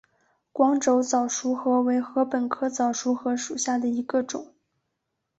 光轴早熟禾为禾本科早熟禾属下的一个种。